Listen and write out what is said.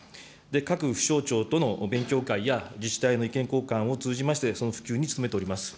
各府省庁との勉強会や自治体の意見交換を通じまして、その普及に努めております。